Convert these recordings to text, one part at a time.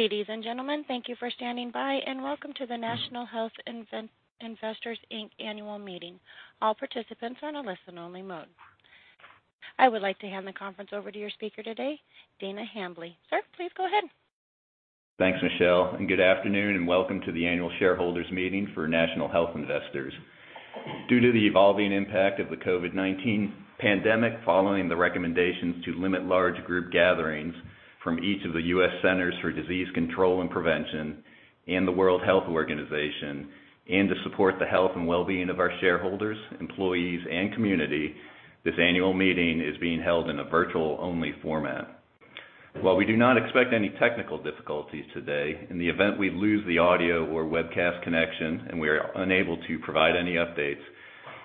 Ladies and gentlemen, thank you for standing by, welcome to the National Health Investors, Inc. annual meeting. All participants are in a listen only mode. I would like to hand the conference over to your speaker today, Dana Hambly. Sir, please go ahead. Thanks, Michelle, and good afternoon and welcome to the annual shareholders meeting for National Health Investors. Due to the evolving impact of the COVID-19 pandemic, following the recommendations to limit large group gatherings from each of the U.S. Centers for Disease Control and Prevention and the World Health Organization, and to support the health and wellbeing of our shareholders, employees, and community, this annual meeting is being held in a virtual-only format. While we do not expect any technical difficulties today, in the event we lose the audio or webcast connection and we are unable to provide any updates,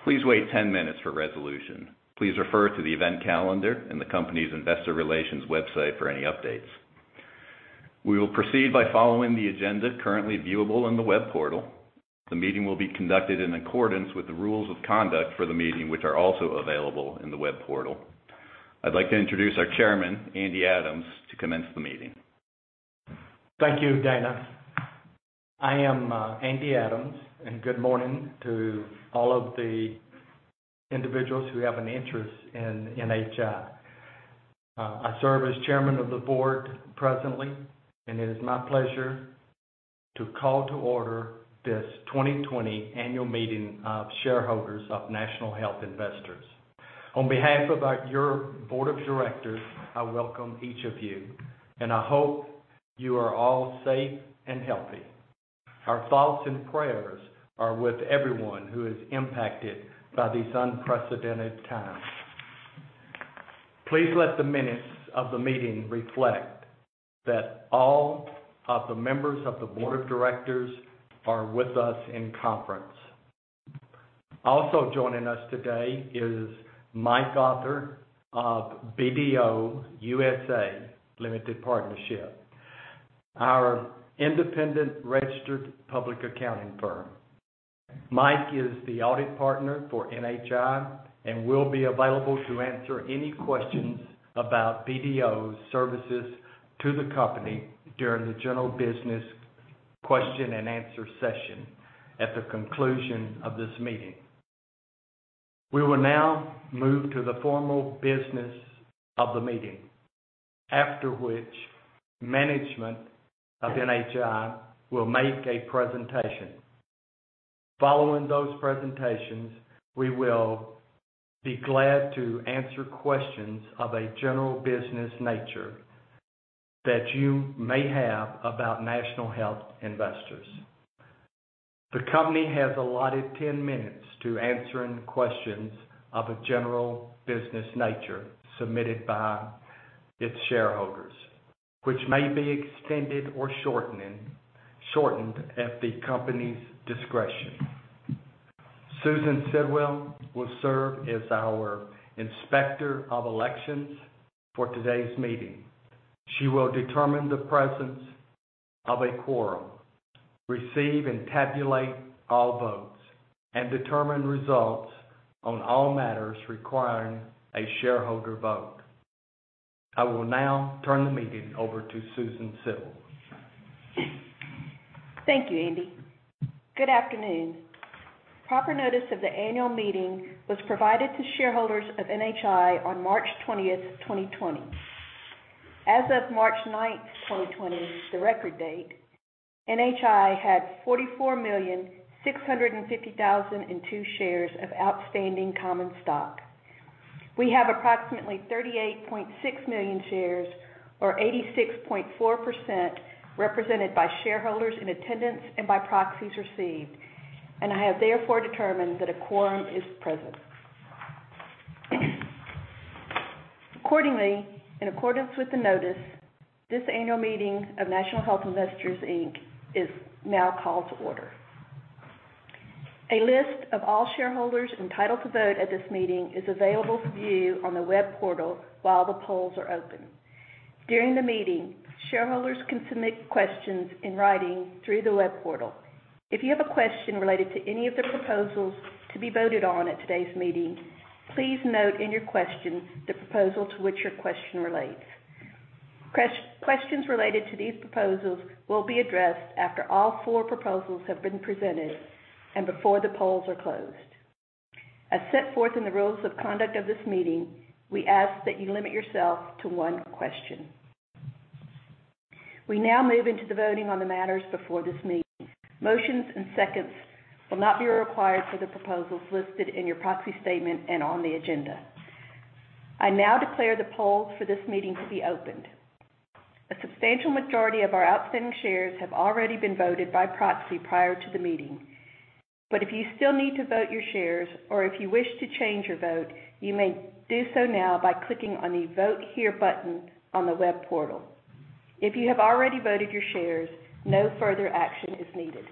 please wait 10 minutes for resolution. Please refer to the event calendar and the company's investor relations website for any updates. We will proceed by following the agenda currently viewable on the web portal. The meeting will be conducted in accordance with the rules of conduct for the meeting, which are also available in the web portal. I'd like to introduce our Chairman, Andy Adams, to commence the meeting. Thank you, Dana. I am Andy Adams. Good morning to all of the individuals who have an interest in NHI. I serve as Chairman of the Board presently. It is my pleasure to call to order this 2020 annual meeting of shareholders of National Health Investors. On behalf of your Board of Directors, I welcome each of you. I hope you are all safe and healthy. Our thoughts and prayers are with everyone who is impacted by these unprecedented times. Please let the minutes of the meeting reflect that all of the members of the Board of Directors are with us in conference. Also joining us today is Mike Arthur of BDO USA, LLP, our independent registered public accounting firm. Mike is the audit partner for NHI and will be available to answer any questions about BDO's services to the company during the general business question and answer session at the conclusion of this meeting. We will now move to the formal business of the meeting, after which management of NHI will make a presentation. Following those presentations, we will be glad to answer questions of a general business nature that you may have about National Health Investors. The company has allotted 10 minutes to answering questions of a general business nature submitted by its shareholders, which may be extended or shortened at the company's discretion. Susan Sidwell will serve as our Inspector of Elections for today's meeting. She will determine the presence of a quorum, receive and tabulate all votes, and determine results on all matters requiring a shareholder vote. I will now turn the meeting over to Susan Sidwell. Thank you, Andy. Good afternoon. Proper notice of the annual meeting was provided to shareholders of NHI on March 20th, 2020. As of March 9th, 2020, the record date, NHI had 44,650,002 shares of outstanding common stock. We have approximately 38.6 million shares, or 86.4%, represented by shareholders in attendance and by proxies received, and I have therefore determined that a quorum is present. Accordingly, in accordance with the notice, this annual meeting of National Health Investors, Inc. is now called to order. A list of all shareholders entitled to vote at this meeting is available for view on the web portal while the polls are open. During the meeting, shareholders can submit questions in writing through the web portal. If you have a question related to any of the proposals to be voted on at today's meeting, please note in your question the proposal to which your question relates. Questions related to these proposals will be addressed after all four proposals have been presented and before the polls are closed. As set forth in the rules of conduct of this meeting, we ask that you limit yourself to one question. We now move into the voting on the matters before this meeting. Motions and seconds will not be required for the proposals listed in your proxy statement and on the agenda. I now declare the polls for this meeting to be opened. A substantial majority of our outstanding shares have already been voted by proxy prior to the meeting. If you still need to vote your shares, or if you wish to change your vote, you may do so now by clicking on the Vote Here button on the web portal. If you have already voted your shares, no further action is needed.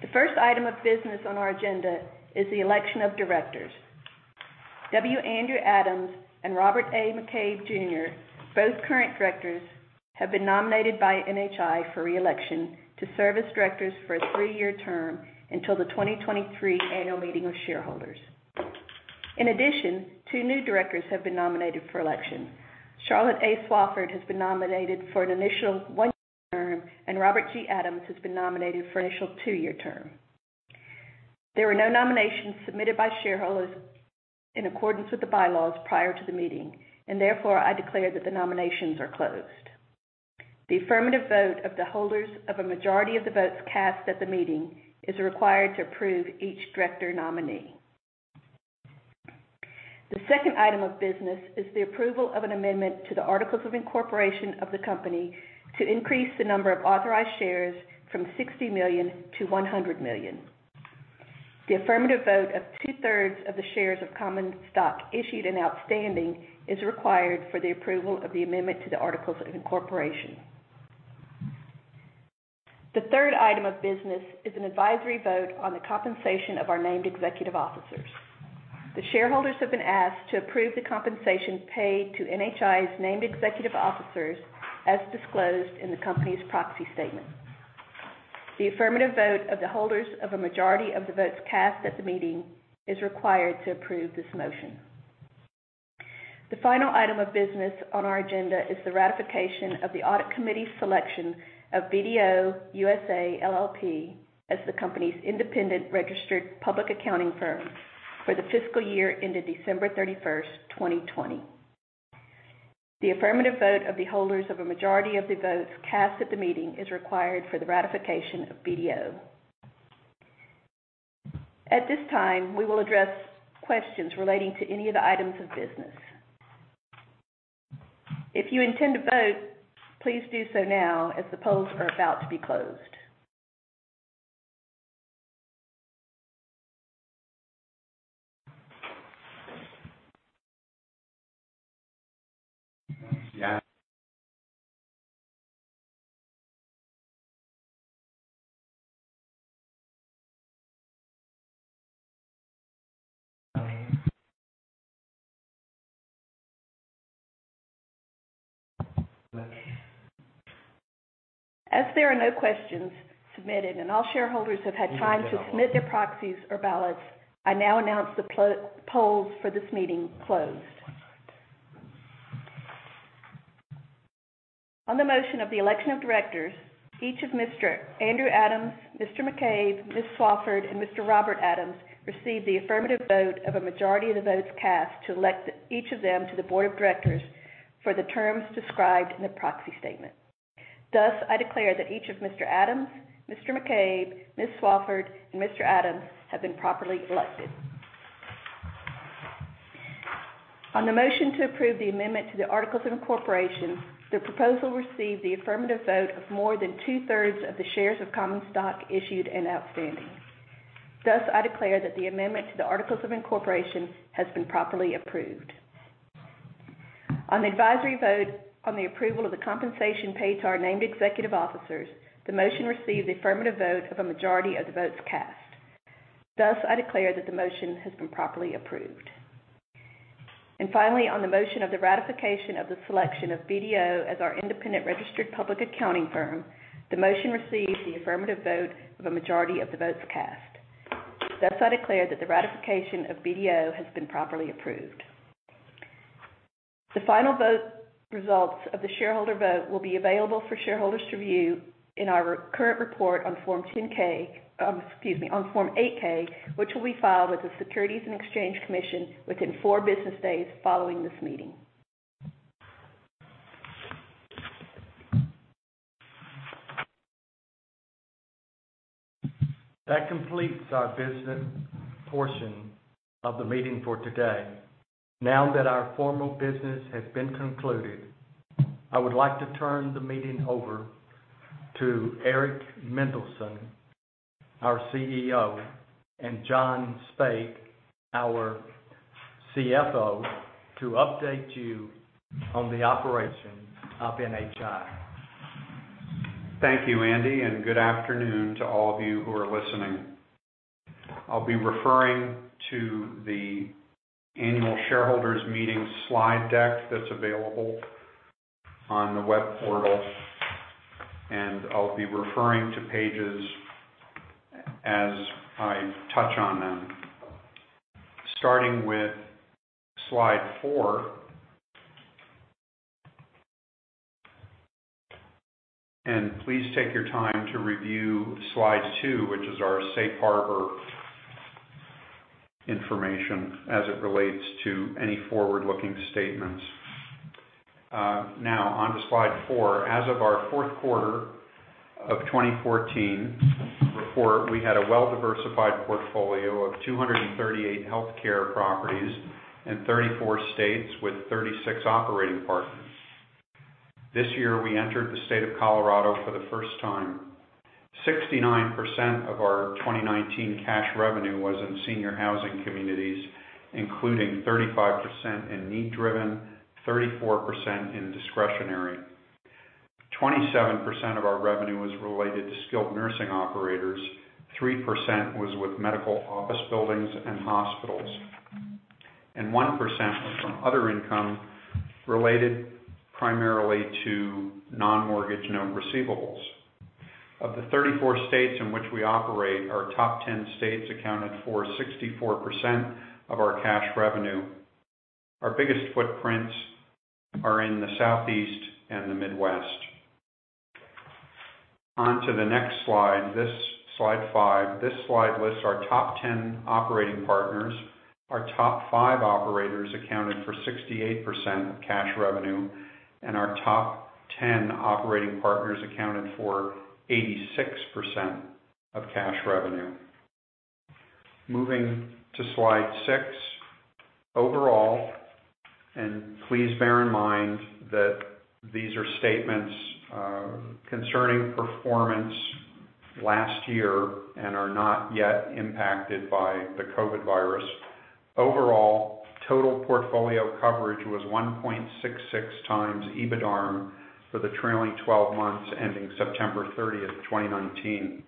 The first item of business on our agenda is the election of directors. W. Andrew Adams and Robert A. McCabe Jr., both current directors, have been nominated by NHI for re-election to serve as directors for a three-year term until the 2023 annual meeting of shareholders. In addition, two new directors have been nominated for election. Charlotte A. Swafford has been nominated for an initial one-year term, and Robert G. Adams has been nominated for an initial two-year term. There were no nominations submitted by shareholders in accordance with the bylaws prior to the meeting. Therefore, I declare that the nominations are closed. The affirmative vote of the holders of a majority of the votes cast at the meeting is required to approve each director nominee. The second item of business is the approval of an amendment to the articles of incorporation of the company to increase the number of authorized shares from 60 million to 100 million. The affirmative vote of two-thirds of the shares of common stock issued and outstanding is required for the approval of the amendment to the articles of incorporation. The third item of business is an advisory vote on the compensation of our named executive officers. The shareholders have been asked to approve the compensation paid to NHI's named executive officers as disclosed in the company's proxy statement. The affirmative vote of the holders of a majority of the votes cast at the meeting is required to approve this motion. The final item of business on our agenda is the ratification of the audit committee selection of BDO USA, LLP as the company's independent registered public accounting firm for the fiscal year ended December 31st, 2020. The affirmative vote of the holders of a majority of the votes cast at the meeting is required for the ratification of BDO. At this time, we will address questions relating to any of the items of business. If you intend to vote, please do so now, as the polls are about to be closed. As there are no questions submitted and all shareholders have had time to submit their proxies or ballots, I now announce the polls for this meeting closed. On the motion of the election of directors, each of Mr. Andrew Adams, Mr. McCabe, Ms. Swafford, and Mr. Robert Adams received the affirmative vote of a majority of the votes cast to elect each of them to the board of directors for the terms described in the proxy statement. Thus, I declare that each of Mr. Adams, Mr. McCabe, Ms. Swafford, and Mr. Adams have been properly elected. On the motion to approve the amendment to the articles of incorporation, the proposal received the affirmative vote of more than two-thirds of the shares of common stock issued and outstanding. Thus, I declare that the amendment to the articles of incorporation has been properly approved. On the advisory vote on the approval of the compensation paid to our named executive officers, the motion received the affirmative vote of a majority of the votes cast. Thus, I declare that the motion has been properly approved. Finally, on the motion of the ratification of the selection of BDO as our independent registered public accounting firm, the motion received the affirmative vote of a majority of the votes cast. Thus, I declare that the ratification of BDO has been properly approved. The final vote results of the shareholder vote will be available for shareholders to review in our current report on Form 10-K, excuse me, on Form 8-K, which will be filed with the Securities and Exchange Commission within four business days following this meeting. That completes our business portion of the meeting for today. Now that our formal business has been concluded, I would like to turn the meeting over to Eric Mendelsohn, our CEO, and John Spaid, our CFO, to update you on the operations of NHI. Thank you, Andy. Good afternoon to all of you who are listening. I'll be referring to the annual shareholders meeting slide deck that's available on the web portal, and I'll be referring to pages as I touch on them. Starting with slide 4. Please take your time to review slide 2, which is our safe harbor information as it relates to any forward-looking statements. Now, on to slide 4. As of our fourth quarter of 2014 report, we had a well-diversified portfolio of 238 healthcare properties in 34 states with 36 operating partners. This year, we entered the state of Colorado for the first time. 69% of our 2019 cash revenue was in senior housing communities, including 35% in need driven, 34% in discretionary. 27% of our revenue was related to skilled nursing operators, 3% was with medical office buildings and hospitals, and 1% was from other income related primarily to non-mortgage note receivables. Of the 34 states in which we operate, our top 10 states accounted for 64% of our cash revenue. Our biggest footprints are in the Southeast and the Midwest. On to the next slide, this slide 5. This slide lists our top 10 operating partners. Our top five operators accounted for 68% of cash revenue, and our top 10 operating partners accounted for 86% of cash revenue. Moving to slide 6. Please bear in mind that these are statements concerning performance last year, and are not yet impacted by the COVID-19. Overall, total portfolio coverage was 1.66 times EBITDARM for the trailing 12 months, ending September 30, 2019.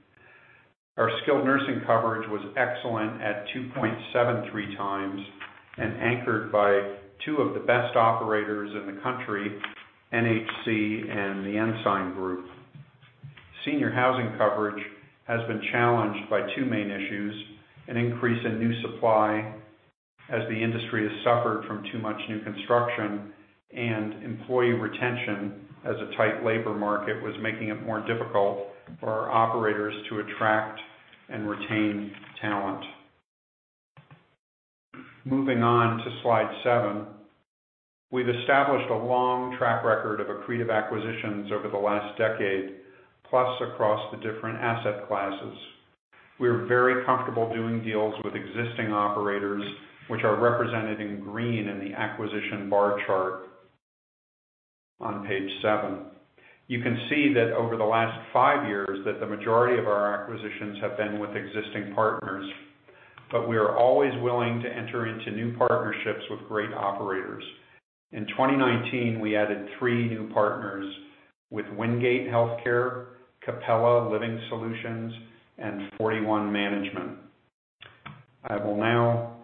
Our skilled nursing coverage was excellent at 2.73 times, and anchored by two of the best operators in the country, NHC and The Ensign Group. Senior housing coverage has been challenged by two main issues, an increase in new supply as the industry has suffered from too much new construction, and employee retention, as a tight labor market was making it more difficult for our operators to attract and retain talent. Moving on to slide 7. We've established a long track record of accretive acquisitions over the last decade, plus across the different asset classes. We are very comfortable doing deals with existing operators, which are represented in green in the acquisition bar chart on page 7. You can see that over the last five years that the majority of our acquisitions have been with existing partners, but we are always willing to enter into new partnerships with great operators. In 2019, we added three new partners with Wingate Healthcare, Cappella Living Solutions, and 41 Management. I will now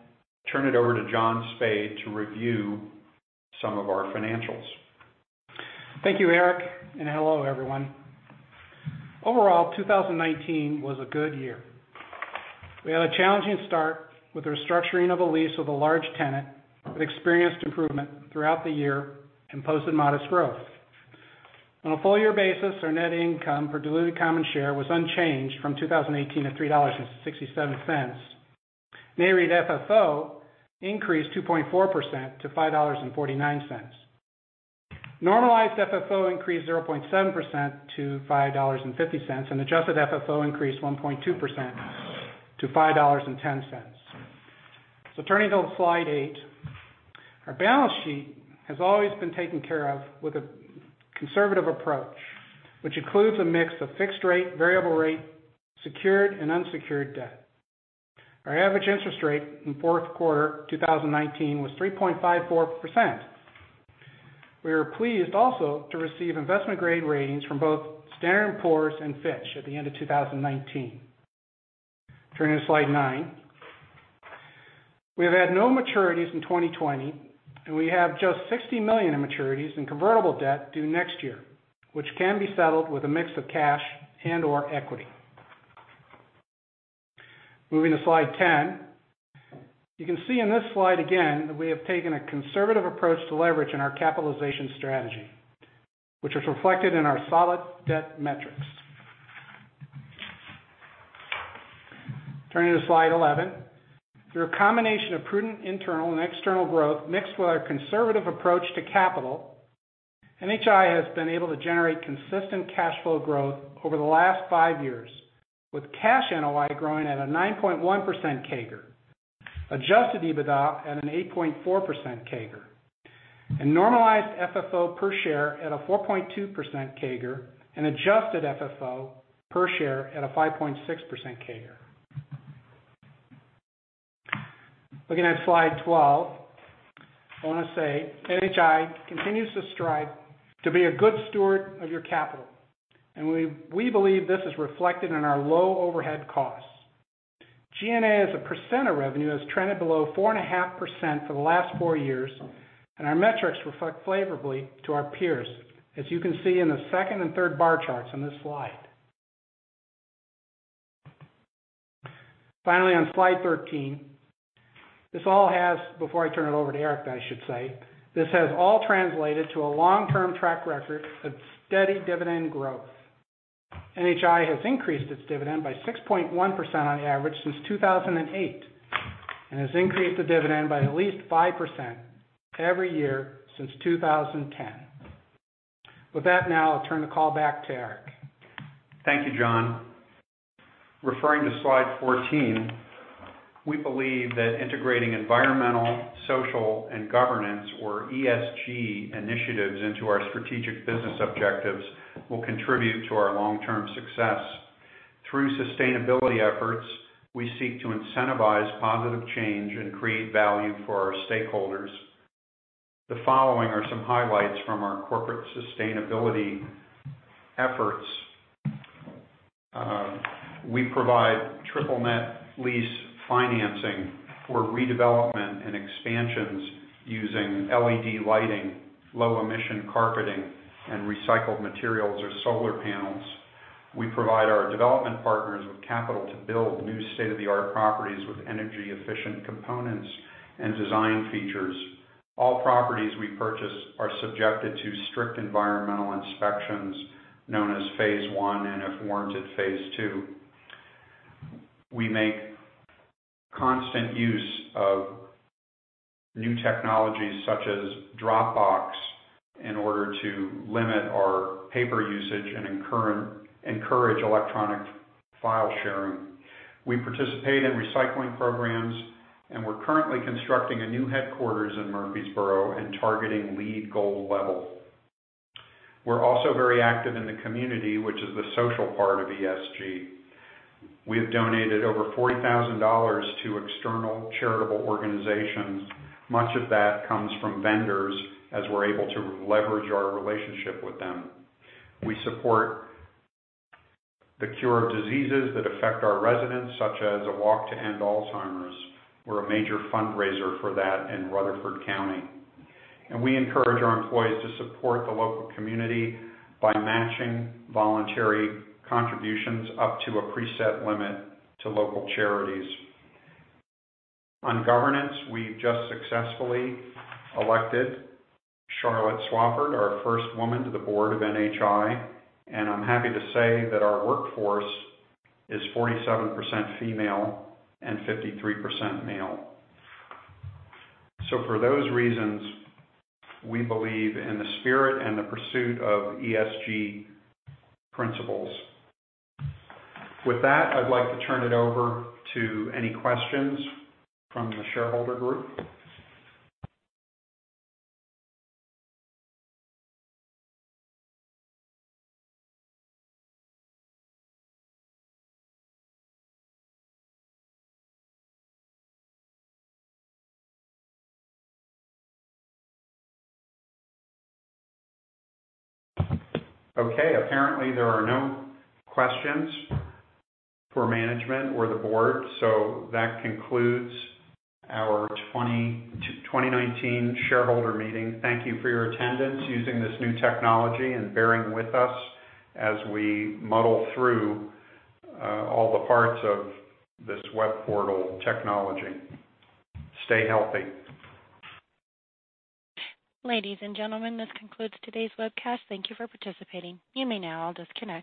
turn it over to John Spaid to review some of our financials. Thank you, Eric, and hello, everyone. Overall, 2019 was a good year. We had a challenging start with the restructuring of a lease with a large tenant, but experienced improvement throughout the year and posted modest growth. On a full year basis, our net income per diluted common share was unchanged from 2018 at $3.67. NAREIT FFO increased 2.4% to $5.49. Normalized FFO increased 0.7% to $5.50, and adjusted FFO increased 1.2% to $5.10. Turning to slide 8, our balance sheet has always been taken care of with a conservative approach, which includes a mix of fixed rate, variable rate, secured, and unsecured debt. Our average interest rate in fourth quarter 2019 was 3.54%. We were pleased also to receive investment grade ratings from both Standard & Poor's and Fitch at the end of 2019. Turning to slide 9. We have had no maturities in 2020, and we have just $60 million in maturities in convertible debt due next year, which can be settled with a mix of cash and/or equity. Moving to slide 10. You can see in this slide, again, that we have taken a conservative approach to leverage in our capitalization strategy, which is reflected in our solid debt metrics. Turning to slide 11. Through a combination of prudent internal and external growth, mixed with our conservative approach to capital, NHI has been able to generate consistent cash flow growth over the last five years. With cash NOI growing at a 9.1% CAGR, Adjusted EBITDA at an 8.4% CAGR, and normalized FFO per share at a 4.2% CAGR, and adjusted FFO per share at a 5.6% CAGR. Looking at slide 12, I want to say NHI continues to strive to be a good steward of your capital. We believe this is reflected in our low overhead costs. G&A as a percent of revenue has trended below 4.5% for the last four years. Our metrics reflect favorably to our peers, as you can see in the second and third bar charts on this slide. Finally, on slide 13, before I turn it over to Eric, I should say, this has all translated to a long-term track record of steady dividend growth. NHI has increased its dividend by 6.1% on average since 2008. It has increased the dividend by at least 5% every year since 2010. With that, now I'll turn the call back to Eric. Thank you, John. Referring to slide 14, we believe that integrating environmental, social, and governance, or ESG initiatives into our strategic business objectives will contribute to our long-term success. Through sustainability efforts, we seek to incentivize positive change and create value for our stakeholders. The following are some highlights from our corporate sustainability efforts. We provide triple net lease financing for redevelopment and expansions using LED lighting, low-emission carpeting, and recycled materials or solar panels. We provide our development partners with capital to build new state-of-the-art properties with energy-efficient components and design features. All properties we purchase are subjected to strict environmental inspections, known as phase I, and if warranted, phase II. We make constant use of new technologies such as Dropbox in order to limit our paper usage and encourage electronic file sharing. We participate in recycling programs, and we're currently constructing a new headquarters in Murfreesboro and targeting LEED gold level. We're also very active in the community, which is the social part of ESG. We have donated over $40,000 to external charitable organizations. Much of that comes from vendors, as we're able to leverage our relationship with them. We support the cure of diseases that affect our residents, such as a Walk to End Alzheimer's. We're a major fundraiser for that in Rutherford County. We encourage our employees to support the local community by matching voluntary contributions, up to a preset limit, to local charities. On governance, we've just successfully elected Charlotte Swafford, our first woman to the board of NHI, and I'm happy to say that our workforce is 47% female and 53% male. For those reasons, we believe in the spirit and the pursuit of ESG principles. With that, I'd like to turn it over to any questions from the shareholder group. Okay. Apparently, there are no questions for management or the board. That concludes our 2019 shareholder meeting. Thank you for your attendance, using this new technology, and bearing with us as we muddle through all the parts of this web portal technology. Stay healthy. Ladies and gentlemen, this concludes today's webcast. Thank you for participating. You may now disconnect.